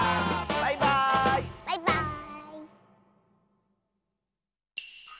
バイバーイ！